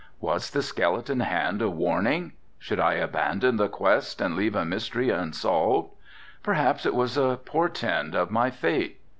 Was the skeleton hand a warning? Should I abandon the quest and leave the mystery unsolved? Perhaps it was a portend of my fate.